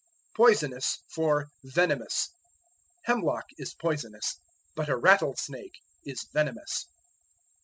Poisonous for Venomous. Hemlock is poisonous, but a rattlesnake is venomous.